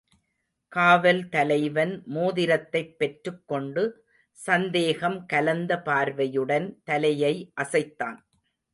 காவல் தலைவன், மோதிரத்தைப் பெற்றுக் கொண்டு சந்தேகம் கலந்த பார்வையுடன் தலையை அசைத்தான்.